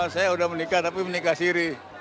saya sudah menikah tapi menikah siri